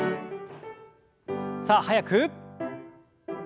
さあ速く。